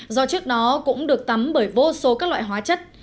do trước đó cũng được tắm bởi vô số các loại hóa chất